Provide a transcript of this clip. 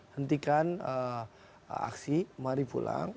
hentikan aksi mari pulang